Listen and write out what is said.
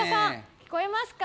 聞こえますか？